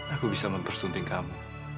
aku bisa mempersunting kamu